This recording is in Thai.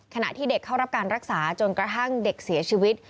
ขณะที่เด็กเข้ารับการรักษาจนกระทั่งเด็กเสียชีวิต